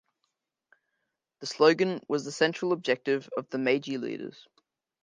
The slogan was the central objective of the Meiji leaders.